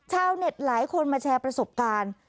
หลายคนมาแชร์ประสบการณ์